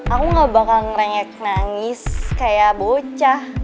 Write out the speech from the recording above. aku gak bakal ngerenyet nangis kayak bocah